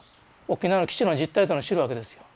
沖縄の基地の実態というのを知るわけですよ。